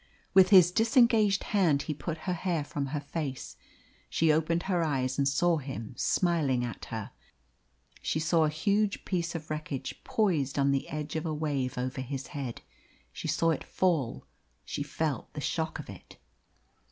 With his disengaged hand he put her hair from her face. She opened her eyes and saw him smiling at her; she saw a huge piece of wreckage poised on the edge of a wave over his head; she saw it fall; she felt the shock of it.